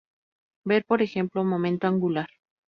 Ver por ejemplo momento angular.